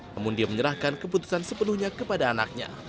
namun dia menyerahkan keputusan sepenuhnya kepada anaknya